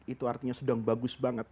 itu artinya sedang bagus banget